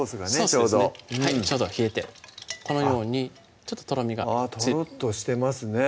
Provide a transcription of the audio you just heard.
ちょうどちょうど冷えてこのようにちょっととろみがあぁとろっとしてますね